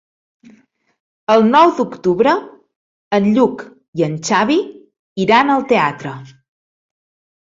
El nou d'octubre en Lluc i en Xavi iran al teatre.